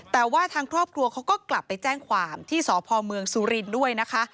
แต่ว่าทางครอบครัวเขาก็กลับไปแจ้งความที่สพเมืองสุรินทร์ด้วยนะคะ